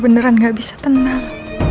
beneran gak bisa tenang